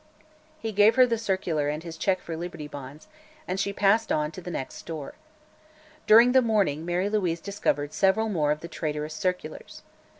He gave her the circular and his check for Liberty Bonds, and she passed on to the next store. During the morning Mary Louise discovered several more of the traitorous circulars.